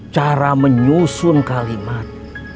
cara menyusun kalimat